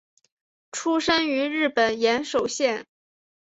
出身于日本岩手县。